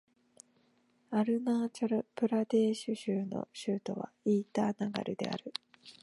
アルナーチャル・プラデーシュ州の州都はイーターナガルである